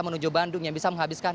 menuju bandung yang bisa menghabiskan